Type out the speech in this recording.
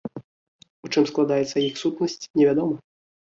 У чым складаецца іх сутнасць, невядома.